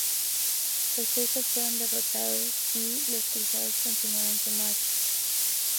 Los turcos fueron derrotados y los cruzados continuaron su marcha.